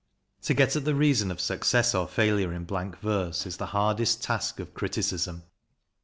To get at the reason of success or failure in blank verse is the hardest task of criticism.